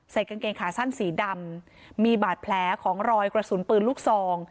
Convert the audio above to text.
กางเกงขาสั้นสีดำมีบาดแผลของรอยกระสุนปืนลูกซอง